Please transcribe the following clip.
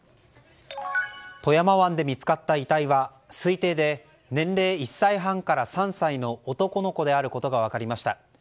富山湾で見つかった遺体は推定で年齢１歳半から３歳の男の子であることが分かりました。